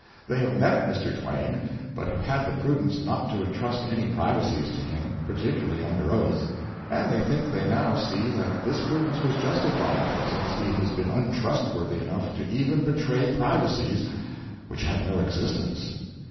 They have met Mr. Twain, but have had the prudence not to intrust any privacies to him particularly under oath; and they think they now see that this prudence was justified, since he has been untrustworthy enough to even betray privacies which had no existence.